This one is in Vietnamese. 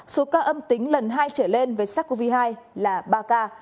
số ca âm tính lần hai trở lên với sars cov hai là ba ca